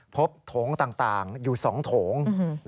โถงต่างอยู่๒โถง